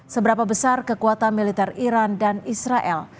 seberapa besar kekuatan militer iran dan israel